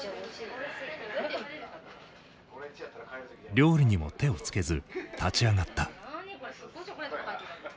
料理にも手をつけず立ち上がった。